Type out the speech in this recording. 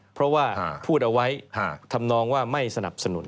เพราะว่าพูดเอาไว้หากทำนองว่าไม่สนับสนุน